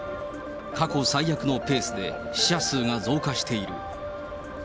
過去最悪のペースで、死者数が増加している。